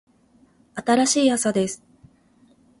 新しい朝です。